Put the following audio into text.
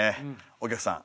お客さん